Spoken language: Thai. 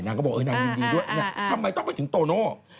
เขาบอกเออนางยินดีด้วยทำไมต้องไปถึงโตโน่